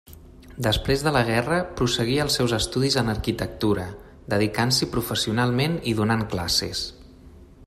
Després de la guerra, prosseguí els seus estudis en arquitectura, dedicant-s'hi professionalment i donant classes.